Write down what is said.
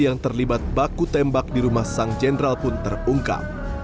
yang terlibat baku tembak di rumah sang jenderal pun terungkap